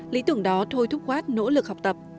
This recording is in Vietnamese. lý tưởng đó thôi thúc watt nỗ lực học tập